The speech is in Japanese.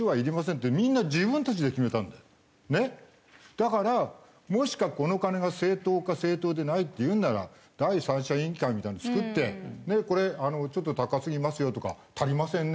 だからもしくはこの金が正当か正当でないって言うなら第三者委員会みたいなの作ってこれちょっと高すぎますよとか足りませんねとか